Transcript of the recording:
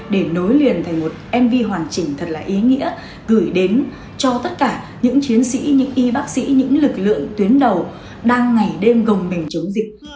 để nối liền thành một mv hoàn chỉnh thật là ý nghĩa gửi đến cho tất cả những chiến sĩ những y bác sĩ những lực lượng tuyến đầu đang ngày đêm gồng mình chống dịch